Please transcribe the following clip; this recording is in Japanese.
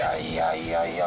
いやいや